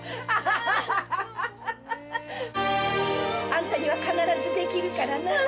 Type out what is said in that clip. あんたには必ずできるからね。